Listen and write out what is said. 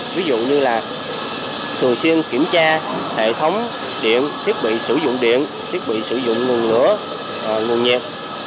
ví dụ như là thường xuyên kiểm tra hệ thống điện thiết bị sử dụng điện thiết bị sử dụng nguồn lửa nguồn nhiệt